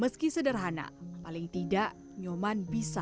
meski sederhana paling tidak nyoman bisa selalu bertanggung jawab